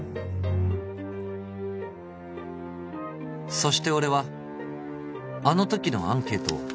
「そして俺はあのときのアンケートを」